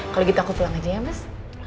kalau gitu aku pulang aja ya mas